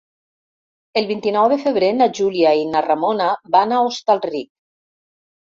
El vint-i-nou de febrer na Júlia i na Ramona van a Hostalric.